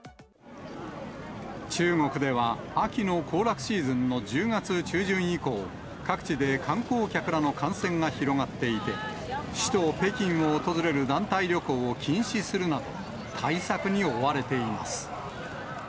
中国では秋の行楽シーズンの１０月中旬以降、各地で観光客らの感染が広がっていて、首都北京を訪れる団体旅行を禁止するなど、対策に追われています。